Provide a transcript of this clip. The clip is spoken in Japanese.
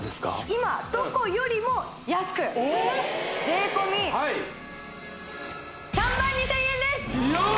今どこよりも安くおおっ税込３万２０００円です！